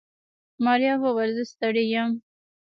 ماريا وويل زه ستړې يم.